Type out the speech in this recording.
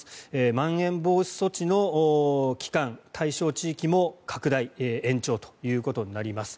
まん延防止措置の期間対象地域も拡大、延長ということになります。